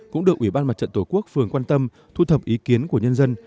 cũng được ủy ban mặt trận tổ quốc phường quan tâm thu thập ý kiến của nhân dân